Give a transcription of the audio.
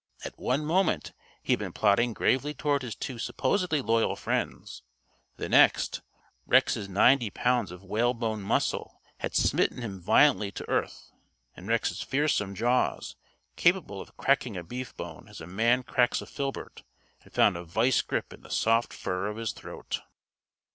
At one moment he had been plodding gravely toward his two supposedly loyal friends; the next, Rex's ninety pounds of whale bone muscle had smitten him violently to earth, and Rex's fearsome jaws capable of cracking a beef bone as a man cracks a filbert had found a vise grip in the soft fur of his throat.